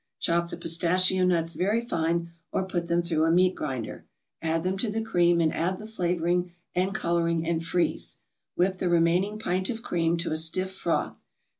Chop the pistachio nuts very fine or put them through the meat grinder, add them to the cream and add the flavoring and coloring, and freeze. Whip the remaining pint of cream to a stiff froth.